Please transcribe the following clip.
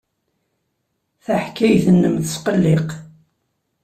Taḥkayt-nnem tesqelliq.